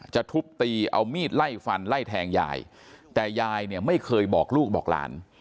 ทุบตีเอามีดไล่ฟันไล่แทงยายแต่ยายเนี่ยไม่เคยบอกลูกบอกหลาน